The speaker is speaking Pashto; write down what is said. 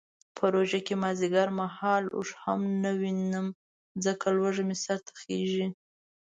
په روژه کې مازدیګر مهال اوښ هم نه وینم ځکه لوږه مې سرته خیژي.